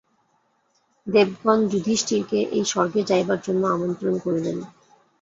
দেবগণ যুধিষ্ঠিরকে এই স্বর্গে যাইবার জন্য আমন্ত্রণ করিলেন।